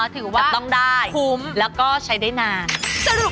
ถือว่าคุ้มแล้วก็ใช้ได้นานจับต้องได้